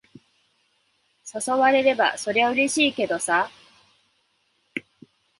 誘われれば、そりゃうれしいけどさ。